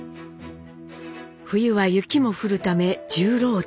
冬は雪も降るため重労働。